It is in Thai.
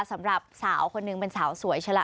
สำหรับสาวคนหนึ่งเป็นสาวสวยใช่ล่ะ